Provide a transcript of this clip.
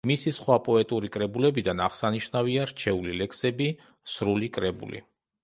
მისი სხვა პოეტური კრებულებიდან აღსანიშნავია „რჩეული ლექსები“, „სრული კრებული“.